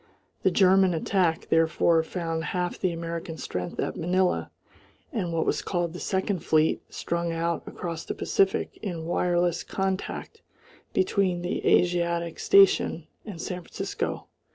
The German attack therefore found half the American strength at Manila, and what was called the Second Fleet strung out across the Pacific in wireless contact between the Asiatic station and San Francisco.